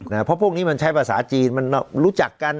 เพราะพวกนี้มันใช้ภาษาจีนมันรู้จักกัน